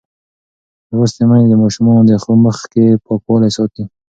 لوستې میندې د ماشومانو د خوب مخکې پاکوالی ساتي.